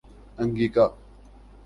Angika